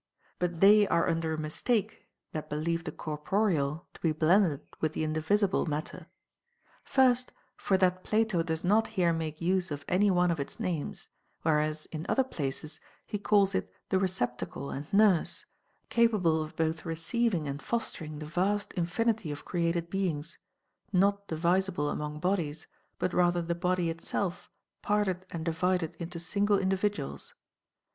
But they are under a mistake that believe the corporeal to be blended with the indivisible matter. First, for that Plato does not here make use of any one of its names ; whereas in other places he calls it the recep tacle and nurse, capable of both receiving and fostering the vast infinity of created beings ; not divisible among bodies, but rather the body itself parted and divided into single individuals.